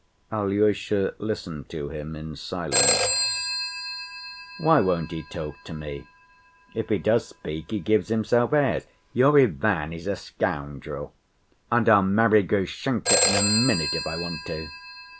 Alyosha listened to him in silence. "Why won't he talk to me? If he does speak, he gives himself airs. Your Ivan is a scoundrel! And I'll marry Grushenka in a minute if I want to.